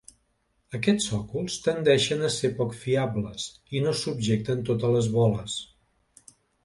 Aquests sòcols tendeixen a ser poc fiables, i no subjecten totes les boles.